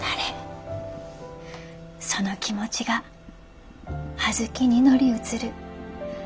その気持ちが小豆に乗り移る。